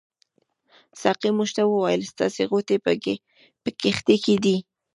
ساقي موږ ته وویل ستاسې غوټې په کښتۍ کې دي.